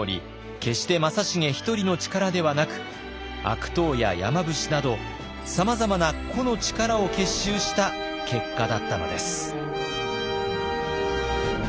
決して正成１人の力ではなく悪党や山伏などさまざまな個の力を結集した結果だったのです。